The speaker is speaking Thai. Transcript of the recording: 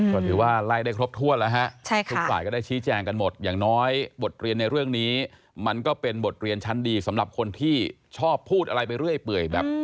ก็ถือว่าไล่ได้ครบถ้วนแล้วฮะทุกฝ่ายก็ได้ชี้แจงกันหมดอย่างน้อยบทเรียนในเรื่องนี้มันก็เป็นบทเรียนชั้นดีสำหรับคนที่ชอบพูดอะไรไปเรื่อยเปื่อยแบบ